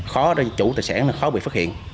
khó để chủ tài sản là khó bị phát hiện